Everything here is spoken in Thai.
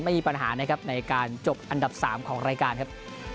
ไม่มีปัญหานะครับในการจบอันดับ๓ของรายการครับ